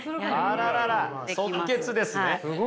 あららら即決ですね。